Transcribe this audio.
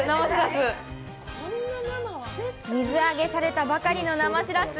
水揚げされたばかりの生しらす。